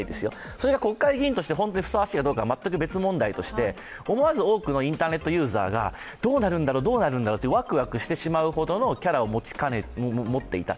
それが国会議員としてふさわしいかどうかは全く別問題として、思わず多くのインターネットユーザーがどうなるんだろうってワクワクしてしまうほどのキャラを持っていた。